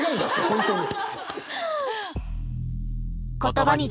本当に。